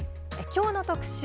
きょうの特集